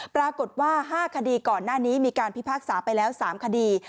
ปรากฏว่า๕คดีก่อนหน้านี้มีการพิพากษาไปแล้ว๓คดี